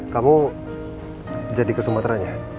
kamu jadi kesumateranya